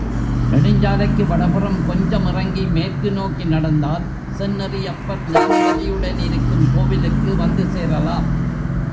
நெடுஞ்சாலைக்கு வடபுறம் கொஞ்சம் இறங்கி மேற்கு நோக்கி நடந்தால் செந்நெறி அப்பர் ஞானவல்லியுடன் இருக்கும் கோவிலுக்கு வந்து சேரலாம்.